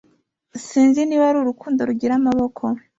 sinzi niba ari urukundo rugira amaboko